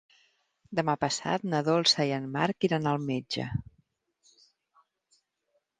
Demà passat na Dolça i en Marc iran al metge.